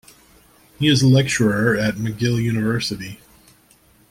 He is a lecturer at McGill University.